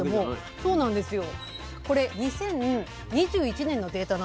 そうなんですよね。